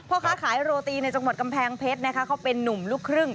พ่อค้าขายโรตีในจังหวัดกำแพงเพชรนะคะเขาเป็นนุ่มลูกครึ่ง